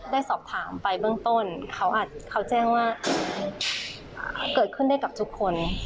ได้สอบถามไปเบื้องต้นเขาแจ้งว่าเกิดขึ้นได้กับทุกคน